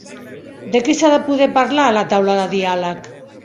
De què s'ha de poder parlar a la taula de diàleg?